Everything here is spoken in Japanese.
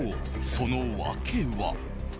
その訳は？